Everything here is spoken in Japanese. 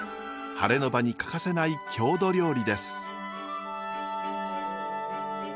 ハレの場に欠かせない郷土料理です。